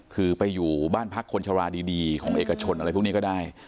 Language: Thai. คือไปอยู่บ้านพักคนชะลาดีของเอกชนอะไรพวกนี้ก็ได้